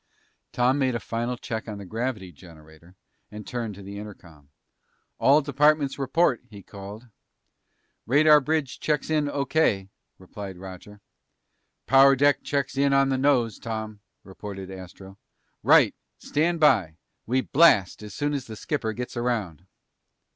Tom made a final check on the gravity generator and turned to the intercom. "All departments, report!" he called. "Radar bridge checks in O.K.," replied Roger. "Power deck checks in on the nose, Tom," reported Astro. "Right! Stand by! We blast as soon as the skipper gets around."